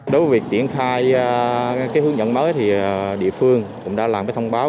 đối với việc triển khai cái hướng dẫn mới thì địa phương cũng đã làm thông báo